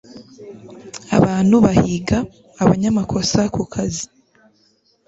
abantu bahiga 'abanyamakosa ku kazi'